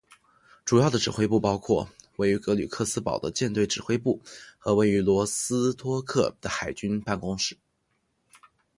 主要的指挥部包括位于格吕克斯堡的舰队指挥部和位于罗斯托克的海军办公室。